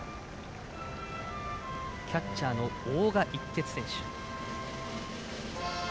キャッチャーの大賀一徹選手。